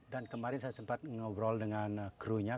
dan kemarin saya sempat ngobrol dengan kru nya